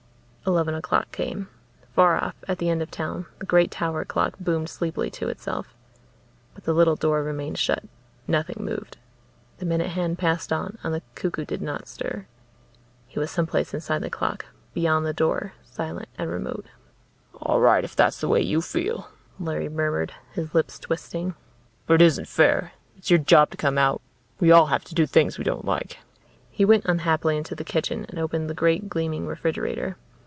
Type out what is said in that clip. Eleven o'clock came. Far off, at the end of town, the great tower clock boomed sleepily to itself. But the little door remained shut. Nothing moved. The minute hand passed on and the cuckoo did not stir. He was someplace inside the clock, beyond the door, silent and remote. "All right, if that's the way you feel," Larry murmured, his lips twisting. "But it isn't fair. It's your job to come out. We all have to do things we don't like." He went unhappily into the kitchen and opened the great gleaming refrigerator.